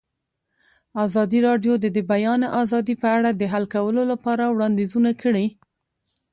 ازادي راډیو د د بیان آزادي په اړه د حل کولو لپاره وړاندیزونه کړي.